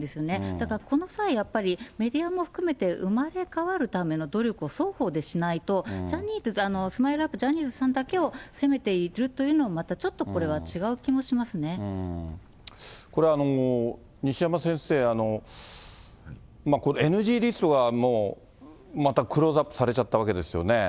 だからこの際やっぱり、メディアも含めて、生まれ変わるための努力を双方でしないと、ジャニーズ、スマイルアップ、ジャニーズさんだけを責めているというのは、またちょっとこれはこれ、西山先生、このＮＧリストがもう、またクローズアップされちゃったわけですよね。